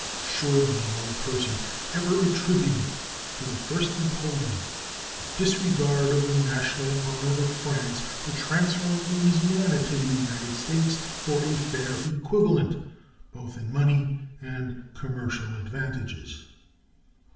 Surely no person ever attributed to the first Napoleon a disregard of the national honor of France for transferring Louisiana to the United States for a fair equivalent, both in money and commercial advantages.